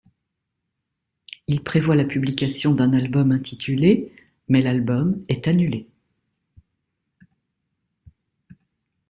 Il prévoit la publication d'un album intitulé ', mais l'album est annulé.